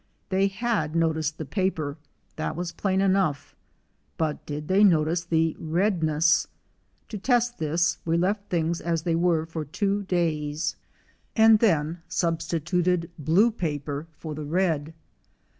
They had noticed the paper ; that was plain enough, but did they notice the redness? To test this, we left things as they were for two days, and then substituted 5 WASPS, SOCIAL AND SOLITARY blue paper for the red.